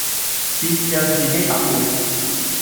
別讓自己白活